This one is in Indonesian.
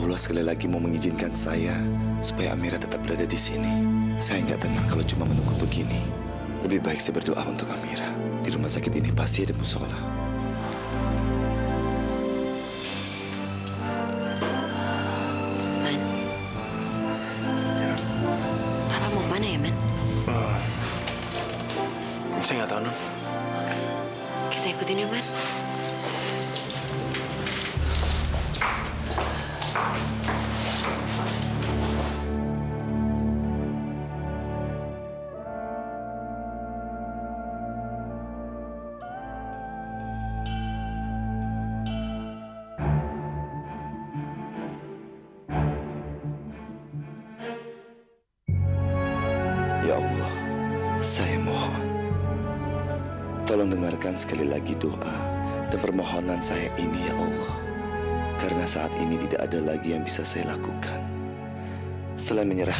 aku yakin banget kalau papa itu nangis karena dia nangisin amira